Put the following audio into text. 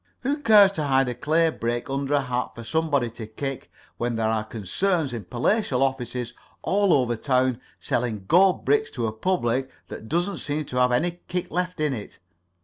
Who cares to hide a clay brick under a hat for somebody to kick, when there are concerns in palatial offices all over town selling gold bricks to a public that doesn't seem to have any kick left in it?